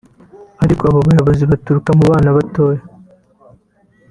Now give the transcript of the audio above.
ariko abo bayobozi baturuka mu bana batoya